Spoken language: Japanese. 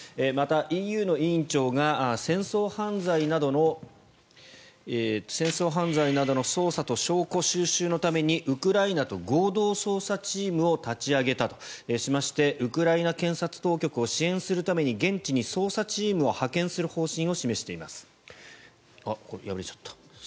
また、ＥＵの委員長が戦争犯罪などの捜査と証拠収集のためにウクライナと合同捜査チームを立ち上げたとしましてウクライナ検察当局を支援するために現地に捜査チームを派遣する方針を示しています。